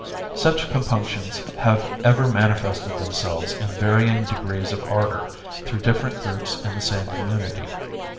Such compunctions have ever manifested themselves in varying degrees of ardor through different groups in the same community.